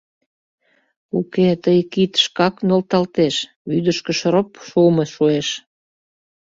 Уке тый кид шкак нӧлталтеш, вӱдышкӧ шроп шуымо шуэш.